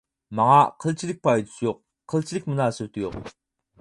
ماڭا قىلچىلىك پايدىسى يوق، قىلچىلىك مۇناسىۋىتى يوق.